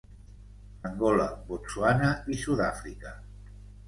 Angola, Botswana i Sud-àfrica.